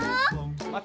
また。